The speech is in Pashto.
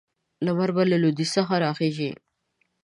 لمر به له لویدیځ څخه راخېژي.